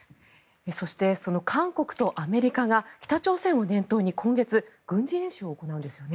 そして韓国とアメリカが北朝鮮を念頭に今月軍事演習を行うんですよね。